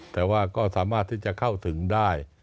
แต่ว่าก็สามารถที่จะเข้าถึงได้